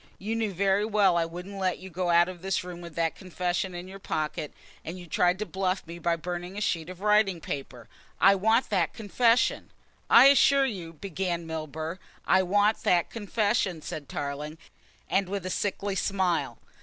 "You knew very well I wouldn't let you go out of this room with that confession in your pocket and you tried to bluff me by burning a sheet of writing paper. I want that confession." "I assure you " began Milburgh. "I want that confession," said Tarling, and with a sickly smile.